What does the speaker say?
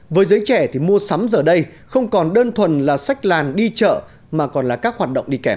với giới trẻ thì mua sắm giờ đây không còn đơn thuần là sách làn đi chợ mà còn là các hoạt động đi kèm